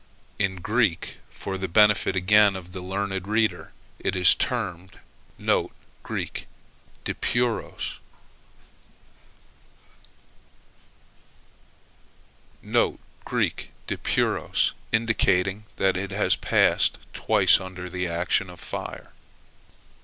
In Greek, for the benefit again of the learned reader, it is termed [Greek: dipuros], indicating that it has passed twice under the action of fire.